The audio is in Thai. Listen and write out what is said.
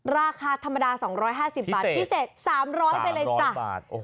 ราคาธรรมดา๒๕๐บาทพิเศษ๓๐๐ไปเลยจ้ะ